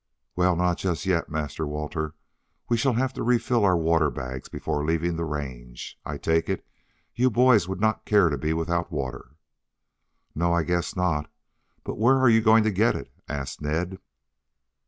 "Well, not just yet, Master Walter. We shall have to refill our water bags before leaving the range. I take it, you boys would not care to be without water?" "No, I guess not. But where are you going to get it?" asked Ned.